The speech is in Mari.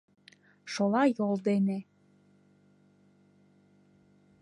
Шола йол дене